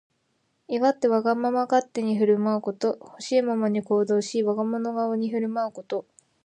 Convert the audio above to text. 威張ってわがまま勝手に振る舞うこと。ほしいままに行動し、我が物顔に振る舞うこと。